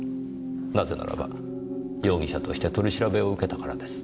なぜならば容疑者として取り調べを受けたからです。